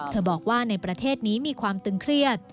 บอกว่าในประเทศนี้มีความตึงเครียด